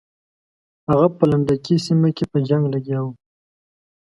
هغه په لنډکي سیمه کې په جنګ لګیا وو.